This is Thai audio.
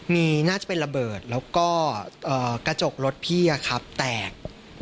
มีน่าจะเป็นระเบิดแล้วก็กระจกรถพี่แตก